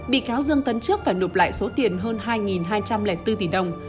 bị cáo dương tấn trước phải nộp lại số tiền hơn hai hai trăm linh bốn tỷ đồng